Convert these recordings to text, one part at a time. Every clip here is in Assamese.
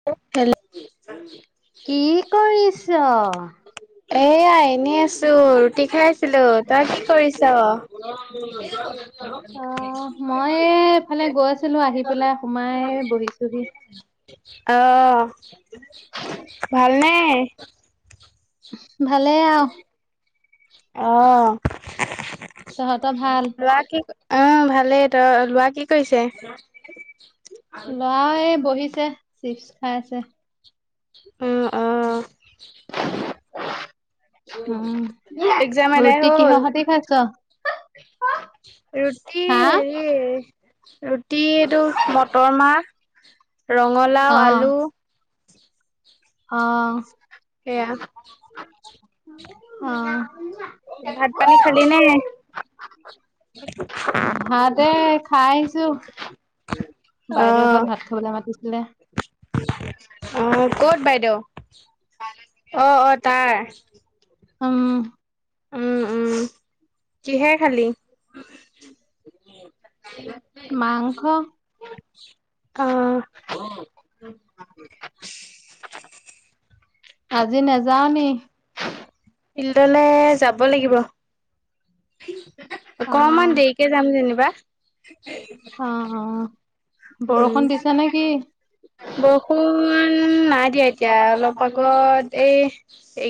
[unintelligible] কি কৰিছ? এয়া এনেই আছোঁ। ৰুটি খাই আছিলো তই কি কৰিছ? [unintelligible] অ', মই এফালে গৈ আছিলো আহি পেলাই সোমাই বহিছোহি। অ', ভালনে? ভালে আৰু। অ', তহঁতৰ ভাল? ল' ৰা কি ক অ', ভালেই ত-ল'ৰা কি কৰিছে? লৰা এই বহিছে, চিপছ খাই আছে। উম অ উম, এক্জাম এদাই ৰুটি কিহ হ'ল? সতি খাইছ? ৰুটি হা? হেৰি ৰুটি এইটো মটৰ মাহ, ৰঙালাও, অ', আলু অ'। সেয়া অ'। ভাত পানী খালি নে? ভাত এ, খাই আহিছোঁ। অ বাইদেউৰ ঘৰত ভাত খাবলে মাতিছিলে। অ', ক'ত বাইদেউ? অ', অ', তাৰ। উম। উম, উম, কিহে খালি? মাংস। অ'। [unintelligible] আজি নেযাৱ নি? ফিল্ডলে যাব লাগিব। অকমান অ', দেৰিকে যাম যেনিবা। অ', অ'। উম। বৰষুণ দিছে নেকি? বৰষুণ নাই দিয়া এতিয়া, অলপ আগত এই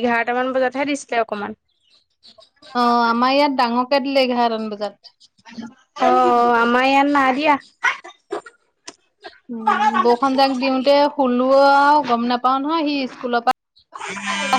এঘাৰটা মান বজাতহে দিছিলে অকমান। অ', আমাৰ ইয়াত ডাঙৰকে দিলে এঘাৰতমান বজাত। অ', অমাৰ ইয়াত না দিয়া। উম, বৰষুন যাক দিওঁতে শুলো আৰু গম নাপাওঁ নহয়, সি স্কুলৰ পৰা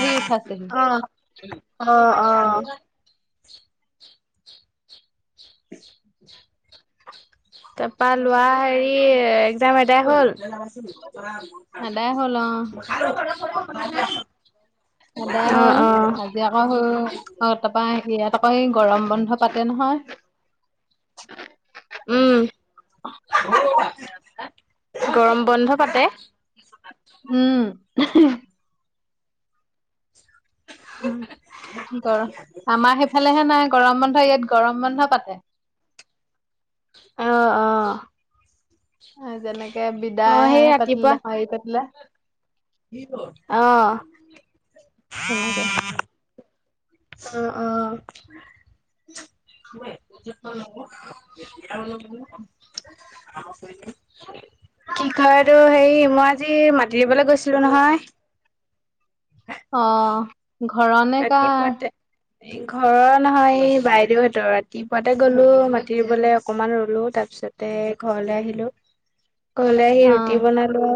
আহি উঠাইছেহি। অ', অ'। [inaudible] তাৰপা লোৱা হেৰি একজাম এদাই হ'ল? আদায় [inaudible] এদাই হ'ল আজি আকৌ [unintelligible] তাৰপৰা আহি ইয়াত আকৌ এই গৰম বন্ধ পাতে নহয়। উম, গৰম বন্ধ পাতে? উম। হম। গৰম আমাৰ সেইফালেহে নাই গৰম বন্ধ ইয়াত গৰম বন্ধ পাতে। অ', অ'। যেনেকে বিদায় মই হে সেই পাতিলে হেৰি পাতিলে। অহ। তেনেকে। অ', অ'। [inaudible] কি কয় সেইটো হেৰি মই আজি মাতি ৰুবলৈ গৈছিলো নহয়। অ'। ঘৰৰ ন ৰাতিপুৱাতে [unintelligible] ঘৰৰ নহয় এই বাইদেউহঁতৰ ৰাতিপুৱাতে গ'লো মাতি ৰুবলৈ অকণমান ৰুলো তাৰপিছত তে ঘৰলৈ আহিলোঁ। [inaudible] ঘৰলে আহি ৰুটি অ', বনালো।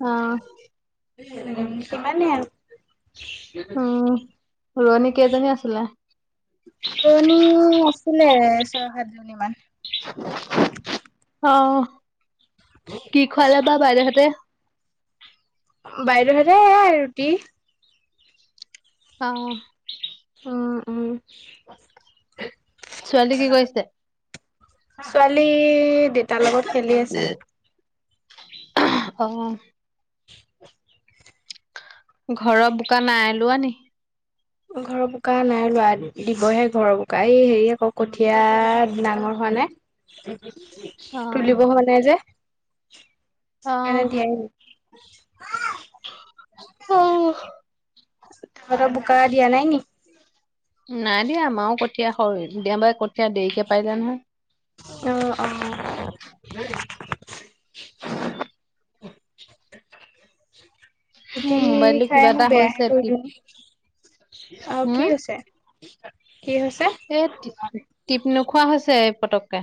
অ'। উম, সিমানেই আৰু। ৰোৱনি কেইজনী আছিলে? ৰোৱনি আছিলে ছয় সাতজনী মান। অ', কি খোৱালে বা বাইদেউহঁতে? বাইদেউহেঁতে এই এই ৰুটি। অহ। উম, উম। ছোৱালী কি কৰিছে? ছোৱালী দেতাৰ লগত খেলি আছে। অ'। [inaudible] ঘৰৰ বোকা আই লোৱা নি? ঘৰৰ বোকা নাই লোৱা দিবহে ঘৰৰ বোকা এই হেৰি আকৌ কঠীয়া ডাঙৰ হোৱা নাই। অ তুলিব হোৱা নাই যে অ সেইকাৰণে দিয়াই নাই। অ [inaudible] তহঁতৰ বোকা দিয়া নাই নি? নাই দিয়া আমাৰও কঠীয়া হয় দেবাৰে কঠীয়া দেৰিকে পাৰিলে নহয়। উম, অ'। ৰুটি মোৰ মোবাইলটো কিবা খাই এটা মই বেয়াহে হৈছে টিপ কৰিলো নি আৰু হম কি হৈছে? কি হৈছে? এই টিপ টিপ নোখোৱা হৈছে এই পতককে।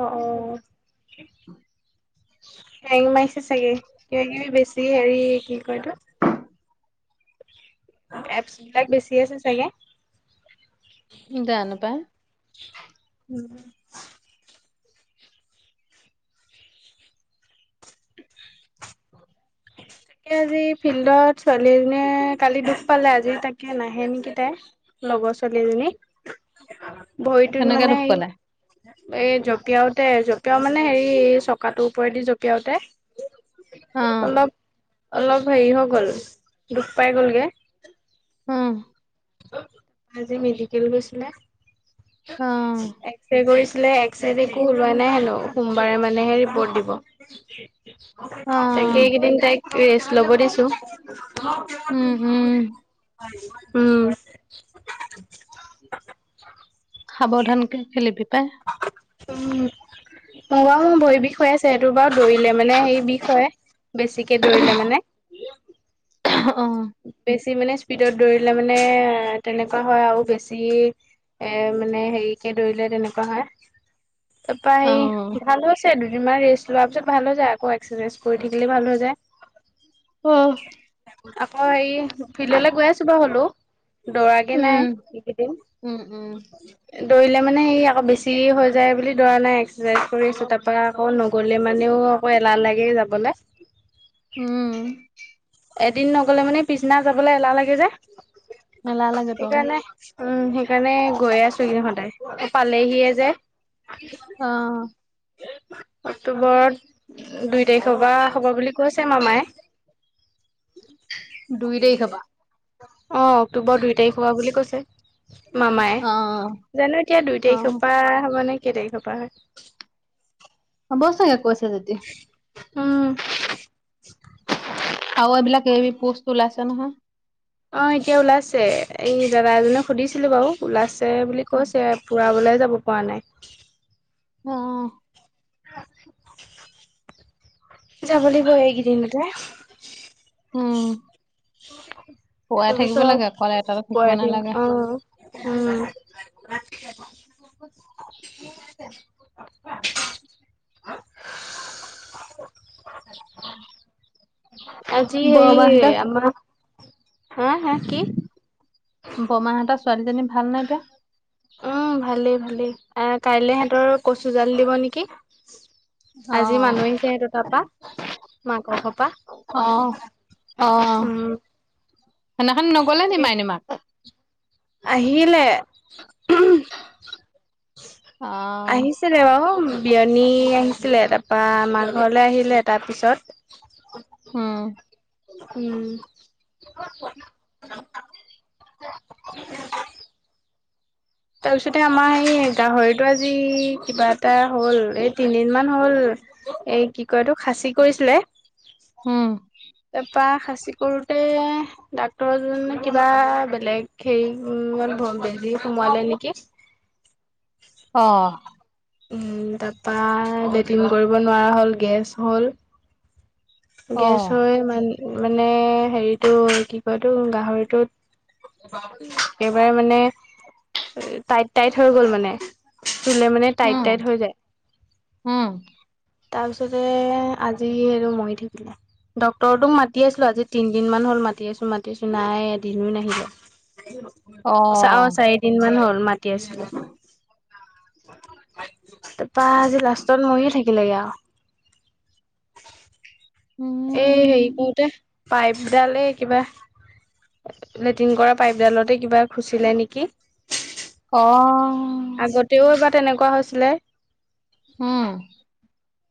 আহ অ'। [unintelligible] [inaudible] হেং মাৰিছে চাগে, কিবা কিবি বেছি হেৰি কি কয়তো? এপছ, বিলাক বেছি আছে চাগে। জানো পাই। উম। [unintelligible] তাকে আজি ফিল্ডত ছোৱালী এজনীয়ে, কালি দুখ পালে আজি তাকে নাহে নেকি তাই। লগৰ ছোৱালী এজনী। [inaudible] ভৰিটোত কেনেকে মানে। দুখ পালে এই জঁপিয়াওতে জঁপিয়াও মানে, হেৰি চকাটোৰ ওপৰেদি জঁপিয়াওতে। আহ। অলপ অলপ হেৰি হৈ গ'ল, দুখ পাই গ'লগে। উম, আজি মেডিকেল গৈছিলে, অ এক্সৰে কৰিছিলে। এক্সেড একো ওলোৱা নাই হেনো, সোমবাৰে মানেহে ৰিপ'ৰ্ট দিব। অ তাকে ইকেইদিন তাইক ৰেষ্ট লব দিছো। উম উম উম। [unintelligible] সাৱধানকে খেলিবি পায়। ম বাওঁ ভৰি বিষ হৈ আছে সেইটো বাৰু দৌৰিলে মানে বিষ হয়। বেছিকে দৌৰিলে মানে। থ অ। বেছি মানে স্পীডত দৌৰিলে মানে, তেনেকুৱা হয় আৰু বেছি। এ মানে হেৰিকে ধৰিলে তেনেকুৱা হয়। অ পায় ভাল হৈছে, দুদিনমান ৰেষ্ট লোৱাৰ পিছত ভাল হৈ যায়। আকৌ এক্সাৰচাইজ কৰি থাকিলে ভাল হৈ যায়। অ'হ। আকৌ হেই ফিল্ডলৈ গৈ আছোঁ বা হ'লেও। দৌৰাগে নাই উম এইকেইদিন। উম উম দৌৰিলে মানে হেই আকৌ বেছি হৈ যায় বুলি দৌৰা নাই। এক্সাৰচাইজ কৰিছো তাৰ পৰা আকৌ নগ'লে মানেও? অ এলাহ লাগে যাবলে। উম। এদিন নগলে মানে পিছদিনা যাবলৈ এলাহ লাগে যে এলাহ লাগেতো আকৌ সেইকাৰণে। উম, সেইকাৰণে গৈয়ে আছো এইকেইদিন সদায় পালেহিয়ে যে। অ'। অক্টোবৰত দুই তাৰিখৰ পৰা হ'ব বুলি কৈছে মামায়ে। দুই তাৰিখৰ পৰা। অ', অক্টোবৰ দুই তাৰিখ হোৱা বুলি কৈছে মামায়। অ জানো এতিয়া দুই অ তাৰিখৰ পৰা হ'বনে কেই তাৰিখৰ পৰা হয়। হব চগে কৈছে যদি। উম আও এইবিলাক কিবা কিবি পোষ্ট ওলাইছে নহয়। অ এতিয়া ওলাইছে, এই দাদা এজক সুধিছিলো বাৰু। ওলাইছে বুলি কৈছে, পূৰাবলৈ যাব পৰা নাই। অ অ। যাব লাগিব এইগিদিনতে। উম। পোৱাই থাকিব লাগে অকলে এটা তাৰপিছত থাকিব পয়াতিং নালাগে অঁ, উম। [unintelligible] আজি সেই বৰমাহঁতৰ আমাৰ হেঁ হেঁ কি? ব'মাহঁতৰ ছোৱালীজনী ভালনে এতিয়া? অঁ ভালেই ভালেই, অঁ কাইলে হেতৰ কচুজাল দিব নেকি? অ আজি মানুহ আহিছে সেহঁত তা'পা। মা' ক ঘপা, অ উম। সেই নাখনি নগ'লে নি মাইনী মাক? আহিলে। ‌ [unintelligible] অ আহিছিলে বাওঁ। বিয়নী আহিছিলে, তাপা আমাৰ ঘৰলে আহিলে তাৰপিছত, উম। উম। [unintelligible] [unintelligible] তাৰপিছতে আমাৰ এই গাহৰিটো আজি কিবা এটা হ'ল, এই তিনিদিনমান হ'ল। এই কি কয় এটো খাচী কৰিছিলে। উম। তাপা খাচি কৰোতে, ডাক্তৰ জনে কিবা বেলেগ হেই ওম বেজি সোমোৱালে নেকি? অঁহ। উম তাপা লেটিন কৰিব নোৱাৰা হ'ল, গেছ হ'ল। অ গেছ হৈ মান মানে হেৰিটো কি কয় এটো গাহৰিটো একেবাৰে মানে টাইট টাইট হৈ গ'ল মানে, চোলে মানে টাইট উম টাইট হৈ যায়। উম তাপিছতে আজি এইটো মৰি থাকিলে। ডক্তৰটোক মাতি আছিলো আজি তিনদিন মান হ'ল মাতি আছো, মাতি আছো, নাই এদিনো নাহিলে। অ চা অ' চাৰিদিন মান হ'ল মাতি আছিলো। তাপা আজি লাষ্টত মইয়ে থাকিলেগে আও উম। এই হেই কৰোঁতে পাইপ ডাল এই কিবা লেটিন কৰা পাইপডালতে কিবা খুচিলে নেকি? অঁ আগতেও এবা তেনেকুৱা হৈছিলে। অঁ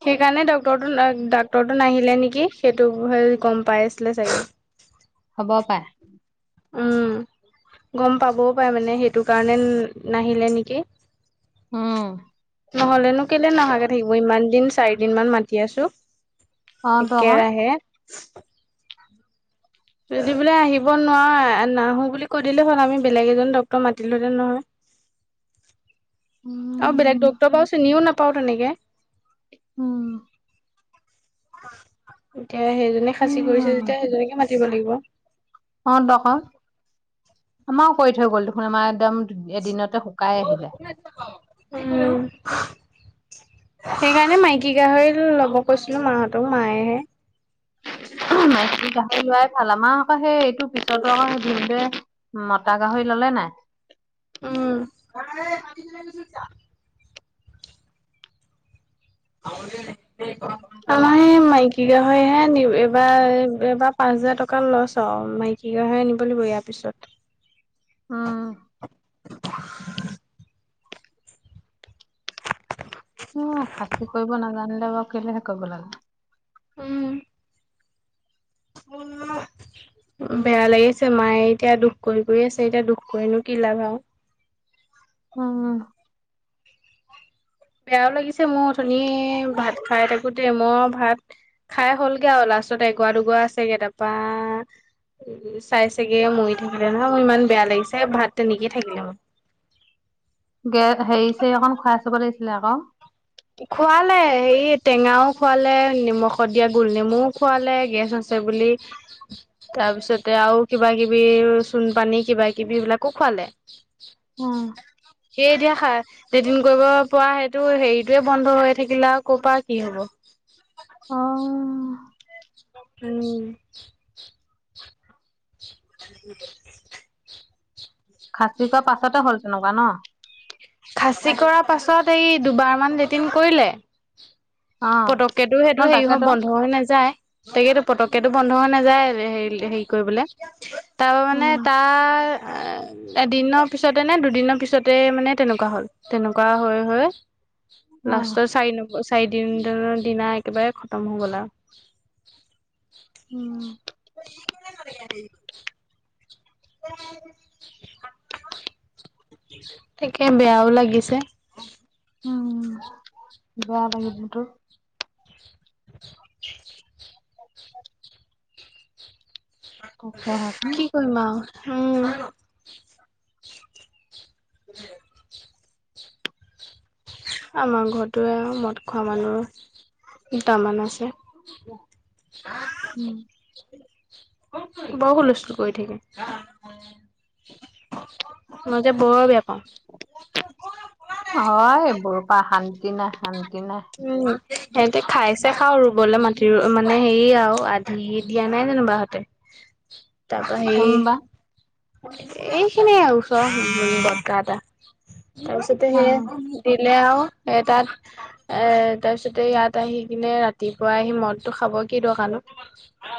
সেইকাৰণে ডক্টৰটো ন' ডাক্টৰটো নাহিলে নেকি সেইটো ভয় গ'ম পাই আছিলে চাগে। হ'ব পায়। উম, গ'ম পাবও পায় মানে সেইটো কাৰণে নে নাহিলে নেকি উম নহ'লেনো কেলে নহাকে থাকিব ইমান দিন চাৰিদিন মান মাতি আছো অ তো আকৌ একেৰাহে। যদি বোলে আহিব নোৱাৱ নাহো বুলি কৈ দিলে হ'ল, আমি বেলেগ এজন ডক্টৰ মাতিলো হেঁতেন নহয়। উম। আৰু বেলেগ ডক্তৰ বা চিনিও নাপাওঁ তেনেকে। উম। এতিয়া সেইজনী খাচী উম কৰিছে যেতিয়া সেইজনীকে মাতিব লাগিব। অ দক। আমাৰও কৰি থৈ গ'ল দেখোন, আমাৰ একদম এদিনতে শুকাই আহিলে। উম। সেইকাৰণে মাইকী গাহৰি ল'ব কৈছিলো মাহতক, মায়েহে, উম মাইকী গাহৰি লোৱাই ভাল। আমাৰ আকৌ সেই এইটো পিছতো আকৌ সেই ভিনদেৱে, মতা গাহৰি ল'লে নাই। উম। আমাহে মাইকী গাহৰিহে আনিম। এবাৰ এবাৰ পাঁচ হাজাৰ টকা লছ হ'ল। মাই কী গাহৰি আনিব লাগিব ইয়াৰ পিছত। উম। উ খাচী কৰিব নাজানিলে বাৰু কেলেহে কৰিব লাগে। উম। [inaudible] বেয়া লাগিছে, মায়ে এতিয়া দুখ কৰি কৰি আছে, এতিয়া দুখ কৰিনো কি লাভ আৰু। উম। বেয়াও লাগিছে মোৰ অথনিয়ে ভাত খোৱাই থাকোতে মই ভাত খাই হ'লগে আৰু, লাষ্টত এগৱা দুগৱা আছেগে, তাৰপা উ চাই চেগে মৰি থাকিলে নহয় মোৰ ইমান বেয়া লাগিছে ভাত তেনেকেয়ে থাকিলে মোৰ। গে হেৰি চেৰি অকন খুৱাই চাব লাগিছিলে আক। খুৱালে, হেৰি টেঙাও খুৱালে, নিমখত দিয়া গোল নেমুও খুৱালে, গেছ হৈছে ছে বুলি। তাৰপিছতে আৰু কিবা কিবি, চুণ পানী কিবা কিবি এই বিলাকো খুৱালে। উম। সি এতিয়া খাই লেটিন কৰিব পৰা সেইটো হেৰি টোৱে বন্ধ হৈ থাকিলে আও ক'পা কি হব। অ উম। [inaudible] খাচি কৰা পাছতে হ'ল তেনেকুৱা ন? খাচী কৰা পাছত এই দুবাৰমান লেটিন কৰিলে। অ পতককেটো সেইটো ন হেৰি হয় তাকেতো বন্ধ হৈ নাযায়। তাকেতো পতককেটো বন্ধ হৈ নাযায় হেৰি হেৰি কৰিবলে। তাৰ মানে উম তাৰ এ এদিনৰ পিছতে নে দুদিনৰ পিছতে মানে তেনেকুৱা হ'ল। তেনেকুৱা হৈ হৈ অ লাষ্টৰ চাৰি ন চাৰিদিন দ দিনা একেবাৰে খতম হৈ গ'ল আৰু। উম। [unintelligible] তাকে বেয়াও লাগিছে। উম, বেয়া লাগিবতো। তাকেহেটো। কি কৰিম আও উম। [unintelligible] আমাৰ ঘৰতটো এয়া মদ খোৱা মানুহ দুটামান আছে। উম বৰ হুলস্থুল কৰি থাকে। মই যে বৰৰ বেয়া পাওঁ। হয়। বোৰ পৰা শান্তি নাই। শান্তি নাই। উম', সিহতে খাইছে খাওঁ ৰুবলৈ মাটি মানে হেৰি আৰু আধি দিয়া নাই যানো বা হতে? [inaudible] তাৰ পা হেৰি কোনবা এইখিনিয় ওচৰৰ বটতা এটা তাৰপিছতে অ সেই লে আৰু এতাত এ', তাৰপিছতে ইয়াত আহি কিনে ৰাতিপুৱা আহি মদতটো খাব কি দৰকাৰ নো? [unintelligible]